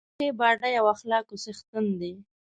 د ښې باډۍ او اخلاقو څښتن دی.